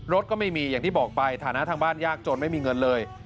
รถก็ไม่มีอย่างที่บอกไปฐานะทางบ้านยากจนไม่มีเงินเลย